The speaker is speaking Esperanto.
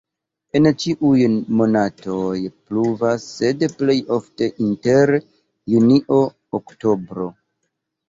En ĉiuj monatoj pluvas, sed plej ofte inter junio-oktobro.